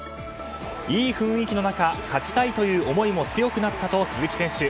いい雰囲気の中勝ちたいという思いも強くなったと鈴木選手。